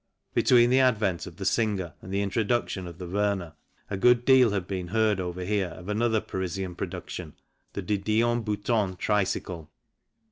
Between the advent of the Singer and the introduction of the Werner a good deal had been heard over here of another Parisian production, the De Dion Bouton tricycle.